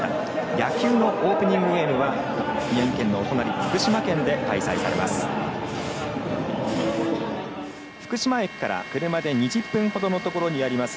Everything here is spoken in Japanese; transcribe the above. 野球のオープニングゲームは宮城県のお隣福島県で開催されます。